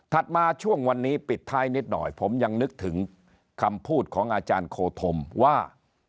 มาช่วงวันนี้ปิดท้ายนิดหน่อยผมยังนึกถึงคำพูดของอาจารย์โคธมว่า